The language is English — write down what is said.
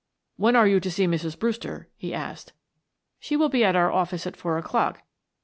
"When are you to see Mrs. Brewster?" he asked. "She will be at our office at four o'clock.